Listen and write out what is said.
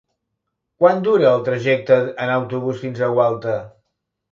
Quant dura el trajecte en autobús fins a Gualta?